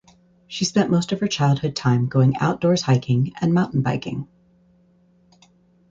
She spent most of her childhood time going outdoors hiking and mountain biking.